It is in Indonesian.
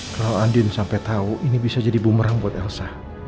kalau andin sampai tahu ini bisa jadi bumerang buat elsa